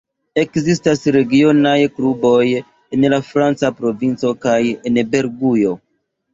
Ekzistas regionaj kluboj en la franca provinco kaj en Belgujo.